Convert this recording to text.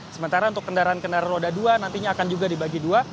sementara untuk kendaraan kendaraan roda dua nantinya akan juga dibagi dua